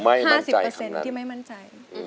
ไม่มั่นใจคำนั้น๕๐ที่ไม่มั่นใจ